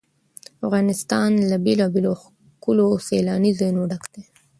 افغانستان له بېلابېلو او ښکلو سیلاني ځایونو ډک دی.